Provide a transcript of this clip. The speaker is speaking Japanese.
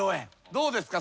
どうですか？